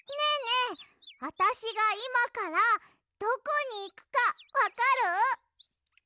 えあたしがいまからどこにいくかわかる？